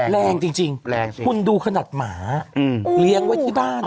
แรงจริงแรงสิคุณดูขนาดหมาเลี้ยงไว้ที่บ้าน